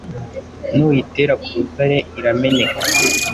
nuyitera ku rutare irameneka